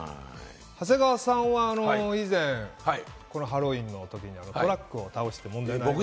長谷川さんは以前、ハロウィーンのとき、トラックを倒して問題になりましたが。